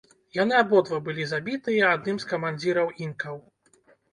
Яны абодва былі забітыя адным з камандзіраў інкаў.